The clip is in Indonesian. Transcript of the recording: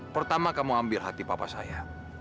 pertama kamu ambil hati papa saya